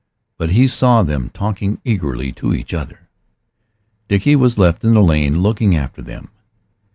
But he saw them talking eagerly to each other. Dickie was left in the lane looking after them.